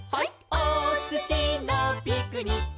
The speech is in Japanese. おすしのピクニック」